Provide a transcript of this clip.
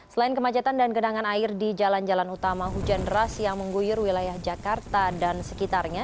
selain kemacetan dan genangan air di jalan jalan utama hujan deras yang mengguyur wilayah jakarta dan sekitarnya